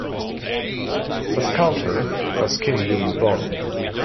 The sculptor was Kim Young-won.